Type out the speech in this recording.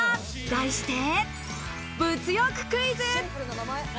題して、物欲クイズ！